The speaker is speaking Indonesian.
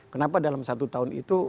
kenapa dalam satu tahun itu